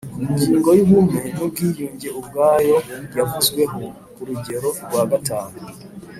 Ingingo y ubumwe n ubwiyunge ubwayo yavuzweho ku rugero rwa gatanu